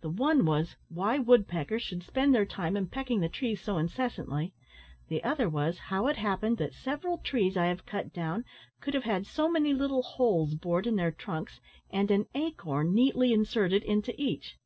The one was, why woodpeckers should spend their time in pecking the trees so incessantly; the other was, how it happened that several trees I have cut down could have had so many little holes bored in their trunks, and an acorn neatly inserted into each.